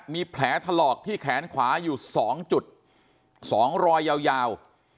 มีแผลทะหรอกที่แขนขวาอยู่สองจุดสองรอยยาว